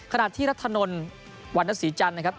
ขณะที่รัฐนลวันนสีจันทร์นะครับ